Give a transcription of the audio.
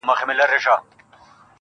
گراني شاعري ستا په خوږ ږغ كي.